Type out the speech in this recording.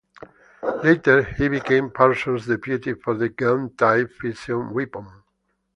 Later he became Parsons' deputy for the gun-type fission weapon.